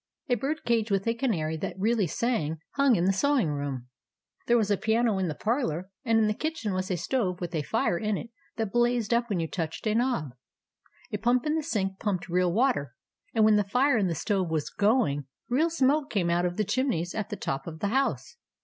A bird cage with a canary that really sang hung in the sewing room ; there was a piano in the parlour; and in the kitchen was a stove with a fire in it that blazed up when you touched a knob. A pump in the sink pumped real water ; and when the fire in the stove was going, real smoke came out of the chimneys at the top of the house.